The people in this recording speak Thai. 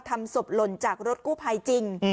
ทำสบหล่นจากรถกลุ่มภายจริง